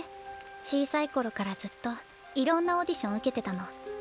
小さい頃からずっといろんなオーディション受けてたの。